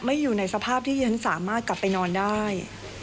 อยู่ในสภาพที่ฉันสามารถกลับไปนอนได้